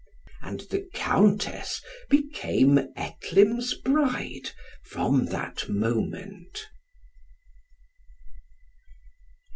And the Countess became Etlym's bride from that moment.